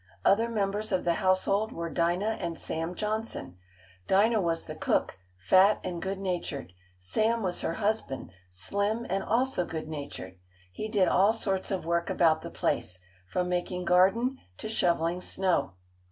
Other members of the household were Dinah and Sam Johnson. Dinah was the cook, fat and good natured. Sam was her husband, slim and also good natured. He did all sorts of work about the place, from making garden to shoveling snow.